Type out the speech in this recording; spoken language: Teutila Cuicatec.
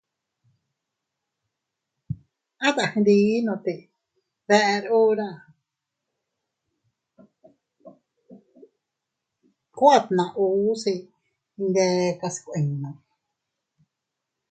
At a gndinote te deʼe hura, ku atna uu se iyndekas kuinnu.